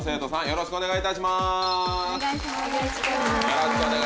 よろしくお願いします。